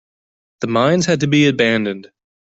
The mines had to be abandoned.